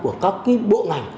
của các bộ ngành